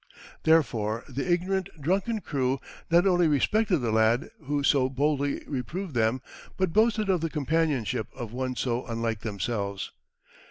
Therefore the ignorant, drunken crew not only respected the lad who so boldly reproved them, but boasted of the companionship of one so unlike themselves.